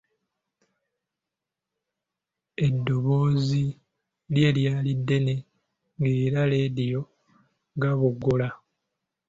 Eddoboozi lye lyali ddene ng’erya leediyo gaboggola.